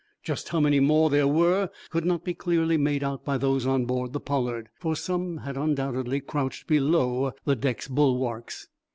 Just how many more there were, could not be clearly made out by those on board the "Pollard," for some had undoubtedly crouched below the deck bulwarks.